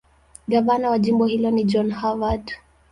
Gavana wa jimbo ni John Harvard.